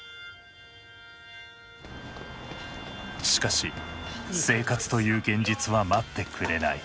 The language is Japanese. しかし生活という現実は待ってくれない。